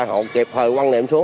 họ kịp thời quăng niệm xuống